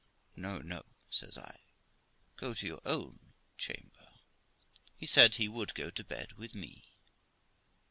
'No, no', says I; 'go to your own chamber.' He said he would go to bed with me.